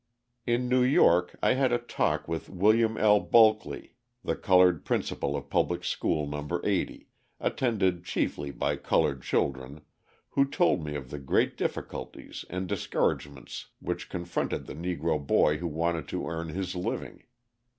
In New York I had a talk with William L. Bulkley, the coloured principal of Public School No. 80, attended chiefly by coloured children, who told me of the great difficulties and discouragements which confronted the Negro boy who wanted to earn his living.